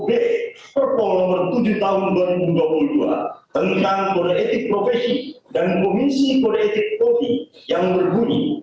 p perpol nomor tujuh tahun dua ribu dua puluh dua tentang kode etik profesi dan komisi kode etik polri yang berbunyi